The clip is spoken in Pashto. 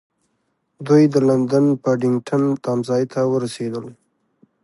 دوی د لندن پډینګټن تمځای ته ورسېدل.